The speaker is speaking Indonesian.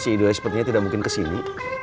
si idewa sepertinya tidak mungkin kesini